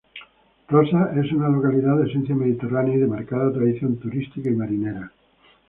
Rosas es una localidad de esencia mediterránea y de marcada tradición turística y marinera.